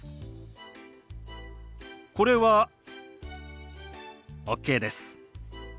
これはＯＫです。